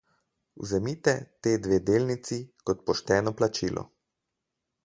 Vzemite te dve delnici kot pošteno plačilo.